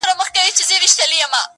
• غریب سړی ابلک یې سپی -